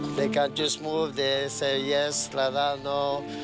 พวกเขาไม่ได้พูดยัง